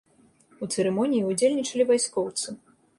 У цырымоніі ўдзельнічалі вайскоўцы.